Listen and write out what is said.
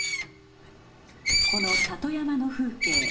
この里山の風景。